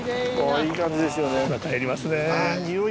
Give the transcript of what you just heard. いい感じですよね。